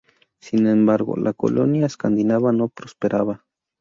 Sin embargo, la colonia escandinava no prosperaba.